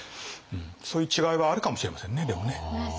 そういう違いはあるかもしれませんねでもね。